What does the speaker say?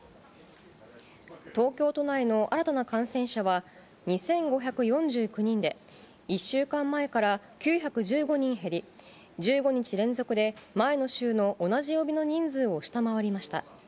東京都内の新たな感染者は２５４９人で、１週間前から９１５人減り、１５日連続で前の週の同じ曜日の人数を下回りました。